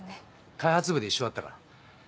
開発部で一緒だったから。